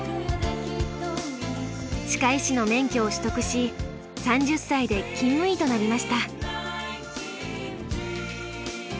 歯科医師の免許を取得し３０歳で勤務医となりました。